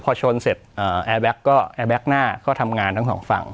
พอชนเสร็จอ่าแอร์แบ๊กก็แอร์แบ๊กหน้าก็ทำงานทั้งสองฝั่ง